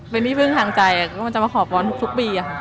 เป็นพี่พึ่งทางใจก็มาขอป้อนทุกปี